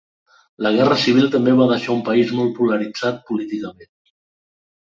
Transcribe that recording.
La guerra civil també va deixar un país molt polaritzat políticament.